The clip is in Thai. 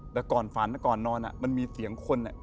จะก่อนฝันจะก่อนนอนอ่ะมันมีเสียงคนเนี้ย